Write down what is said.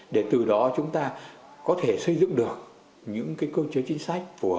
để từ đó chúng ta có thể xây dựng được những cơ chế chính sách phù hợp